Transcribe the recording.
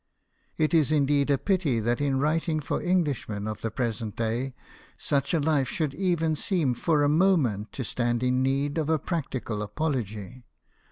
It is indeed a pity that in writing for English men of the present day such a life should even seen for a moment to stand in need of a prac tical apology.